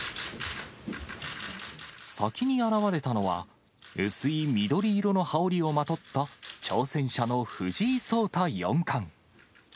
先に現れたのは、薄い緑色の羽織をまとった、挑戦者の藤井聡太四冠。